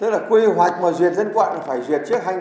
tức là quy hoạch mà duyệt lên quận là phải duyệt trước hai nghìn đồng